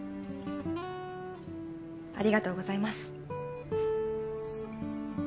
ありがとうございます。